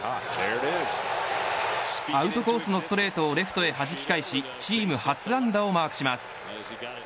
アウトコースのストレートをレフトへはじき返しチーム初安打をマークします。